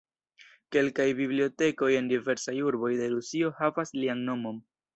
Kelkaj bibliotekoj en diversaj urboj de Rusio havas lian nomon.